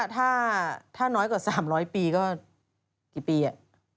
ถ้าน้อยกว่า๓๐๐ปีก็กี่ปีอะ